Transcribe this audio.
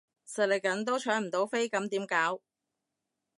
實力緊都搶唔到飛咁點搞？